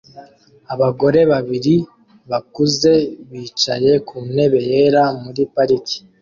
Abagore babiri bakuze bicaye ku ntebe yera muri parike